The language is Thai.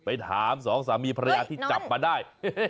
ไปถามสองสามีภรรยาที่จับมาได้